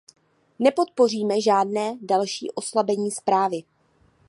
Nepodpoříme žádné další oslabení zprávy.